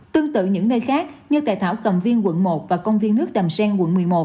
tương tự những nơi khác như tại thảo cầm viên quận một và công viên nước đầm sen quận một mươi một